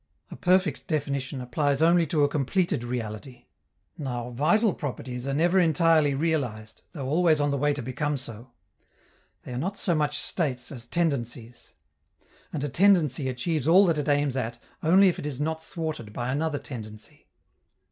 A perfect definition applies only to a completed reality; now, vital properties are never entirely realized, though always on the way to become so; they are not so much states as tendencies. And a tendency achieves all that it aims at only if it is not thwarted by another tendency.